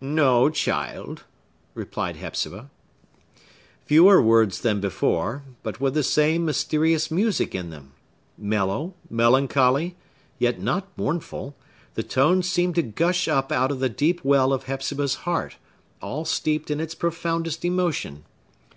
"No, child!" replied Hepzibah. Fewer words than before, but with the same mysterious music in them! Mellow, melancholy, yet not mournful, the tone seemed to gush up out of the deep well of Hepzibah's heart, all steeped in its profoundest emotion.